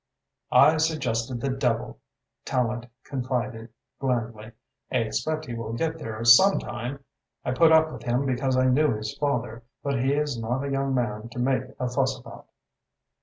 "I suggested the devil," Tallente confided blandly. "I expect he will get there some time. I put up with him because I knew his father, but he is not a young man to make a fuss about."